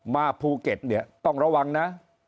มาภูเก็ตเนี่ยต้องระวังนะ